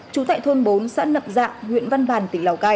trú tại thôn bốn xã nậm dạng huyện văn bàn tỉnh lào cai